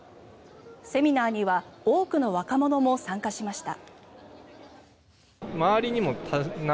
セミナーには多くの若者も参加しました。